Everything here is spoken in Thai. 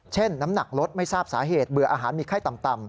น้ำหนักลดไม่ทราบสาเหตุเบื่ออาหารมีไข้ต่ำ